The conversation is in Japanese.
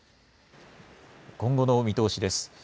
今後の見通しです。